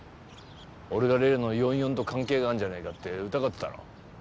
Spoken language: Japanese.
俺が例の４４と関係があるんじゃないかって疑ってたろ？